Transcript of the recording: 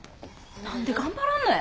何で頑張らんのや！